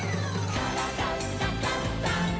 「からだダンダンダン」